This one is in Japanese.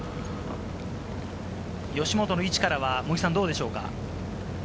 吉本の位置からはどうでしょうか？